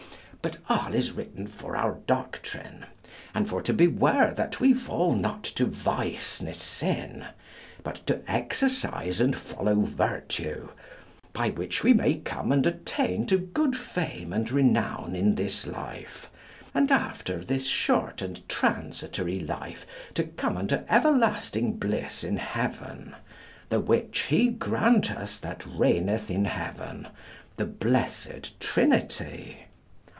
But all is written for our doctrine, and for to beware that we fall not to vice ne sin, but to exercise and follow virtue, by which we may come and attain to good fame and renown in this life, and after this short and transitory life to come unto everlasting bliss in heaven; the which He grant us that reigneth in Heaven, the Blessed Trinity.